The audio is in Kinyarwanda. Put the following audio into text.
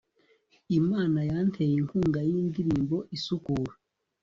imana yanteye inkunga y'indirimbo isukura